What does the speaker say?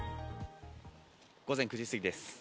午前９時過ぎです。